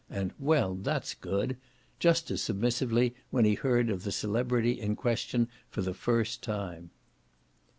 and "Well, that's good," just as submissively when he heard of the celebrity in question for the first time.